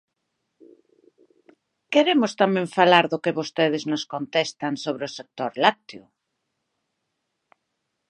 Queremos tamén falar do que vostedes nos contestan sobre o sector lácteo.